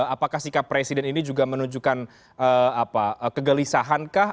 apakah sikap presiden ini juga menunjukkan kegelisahankah